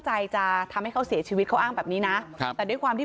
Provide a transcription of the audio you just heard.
ใจจะทำให้เขาเสียชีวิตเขาอ้างแบบนี้นะครับแต่ด้วยความที่